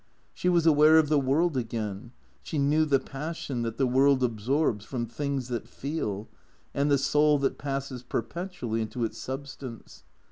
She was aware of the world again; she knew the passion that the world absorbs from things that feel, and the soul that passes perpetually into its substance.